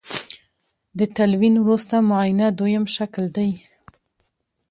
د تلوین وروسته معاینه دویم شکل دی.